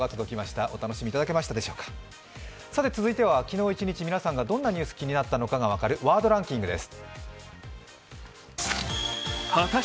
続いては昨日一日皆さんがどんなニュースが気になったのかが分かるワードランキングです。